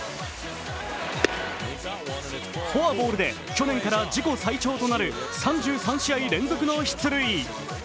フォアボールで去年から自己最長となる３３試合連続の出塁。